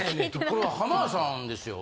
これは浜田さんですよ。